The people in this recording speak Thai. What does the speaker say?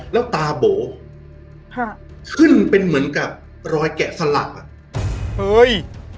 แล้วตาโบค่ะขึ้นเป็นเหมือนกับรอยแกะสลักอ่ะเฮ้ย